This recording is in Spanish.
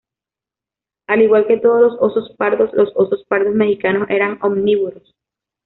Al igual que todos los osos pardos, los osos pardos mexicanos eran omnívoros.